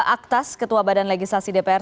aktas ketua badan legislasi dpr